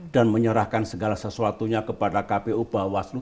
dan menyerahkan segala sesuatunya kepada kpu bawaslu